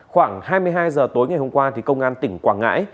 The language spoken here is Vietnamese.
khoảng hai mươi hai h tối ngày hôm qua công an tỉnh quảng ngãi